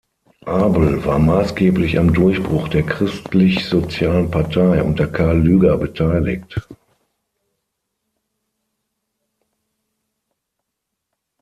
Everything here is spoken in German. Abel war maßgeblich am Durchbruch der christlichsozialen Partei unter Karl Lueger beteiligt.